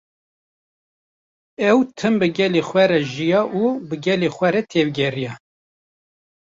Ew tim bi gelê xwe re jiya û bi gelê xwe re tevgeriya